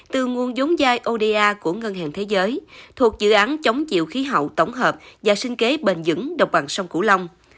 từ nguồn giống dai oda của ngân hàng thế giới thuộc dự án chống chịu khí hậu tổng hợp và sinh kế bền dững độc bằng sông cửu long